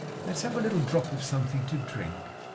Let's have a little drop of something to drink.